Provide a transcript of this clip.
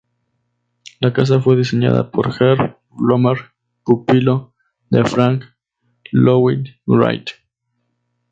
La casa fue diseñada por Herb Bloomberg, pupilo de Frank Lloyd Wright.